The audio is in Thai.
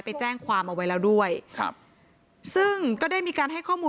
ไปแจ้งความเอาไว้แล้วด้วยครับซึ่งก็ได้มีการให้ข้อมูล